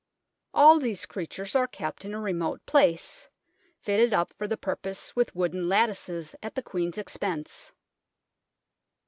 All these creatures are kept in a remote place, fitted up for the purpose with wooden lattices at the Queen's expense.